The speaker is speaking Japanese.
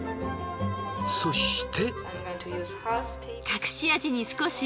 そして。